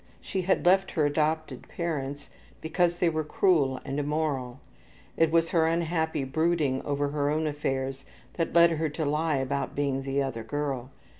She had left her adopted parents because they were cruel and immoral. It was her unhappy brooding over her own affairs that led her to lie about being the other girl.